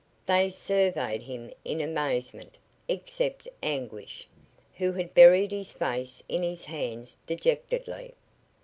They surveyed him in amazement, except Anguish, who had buried his face in his hands dejectedly.